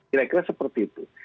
kira kira seperti itu